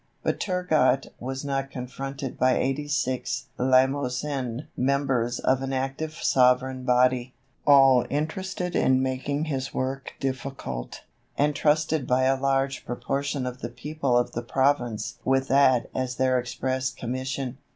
But Turgot was not confronted by eighty six Limousin members of an active sovereign body, all interested in making his work difficult, and trusted by a large proportion of the people of the province with that as their express commission.